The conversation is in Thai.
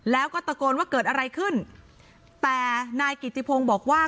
แล้วก็ตะโกนว่าเกิดอะไรขึ้นแต่นายกิติพงศ์บอกว่า